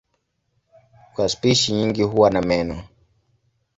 Kwa spishi nyingi huwa na meno.